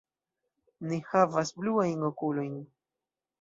Mi havas bluajn okulojn.